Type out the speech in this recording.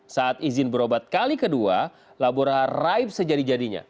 saat izin berobat kali kedua labora raib sejadi jadinya